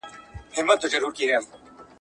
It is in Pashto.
تاسو باید د مقالي لپاره یوه نوي لار پیدا کړئ.